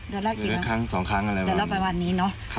เดือนละครั้ง๒ครั้งอะไรแบบนี้